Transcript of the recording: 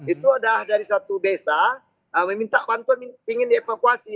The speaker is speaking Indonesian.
itu ada dari satu desa meminta bantuan ingin dievakuasi